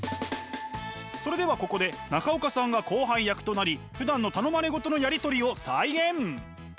それではここで中岡さんが後輩役となりふだんの頼まれ事のやり取りを再現！